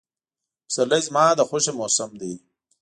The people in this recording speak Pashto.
پسرلی زما د خوښې موسم دی.